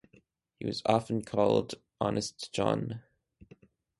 He was often called Honest John.